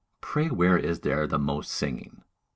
Pray where is there the most singing?"